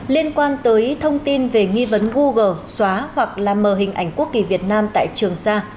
liên quan tới thông tin về nghi vấn google xóa hoặc là mờ hình ảnh quốc kỳ việt nam tại trường sa